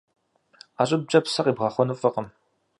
Ӏэ щӏыбкӏэ псы къибгъэхъуэну фӏыкъым.